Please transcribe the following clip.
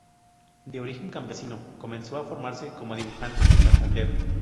De origen campesino, comenzó a formarse como dibujante en Santander.